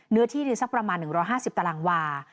เนื้อที่ดินสักประมาณ๑๕๐ตารางวา